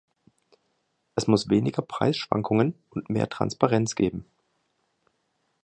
Es muss weniger Preisschwankungen und mehr Transparenz geben.